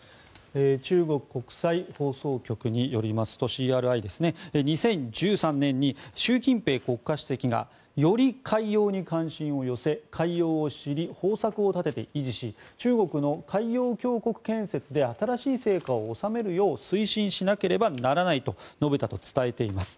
中国国際放送局・ＣＲＩによりますと２０１３年に習近平国家主席がより海洋に関心を寄せ海洋を知り、方策を立てて維持し中国の海洋強国建設で新しい成果を収めるよう推進しなければならないと述べたと伝えています。